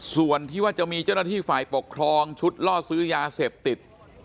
ส่วนที่ว่าจะมีเจ้าหน้าที่ฝ่ายปกครองชุดล่อซื้อยาเสพติด